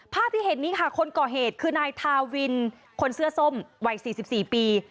ภาพที่เห็นนี้ค่ะคนก่อเหตุคือนายทาวินคนเสื้อส้มวัย๔๔ปี